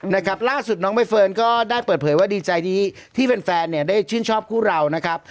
นะครับล่าสุดน้องใบเฟิร์นก็ได้เปิดเผยว่าดีใจดีที่แฟนแฟนเนี่ยได้ชื่นชอบคู่เรานะครับ